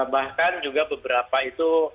bahkan juga beberapa itu